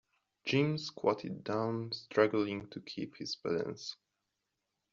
Jim squatted down, struggling to keep his balance.